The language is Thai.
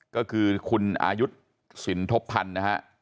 ก็คือคุณอายุทธ์สินทบพันธ์นะครับ